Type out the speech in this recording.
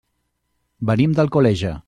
Venim d'Alcoleja.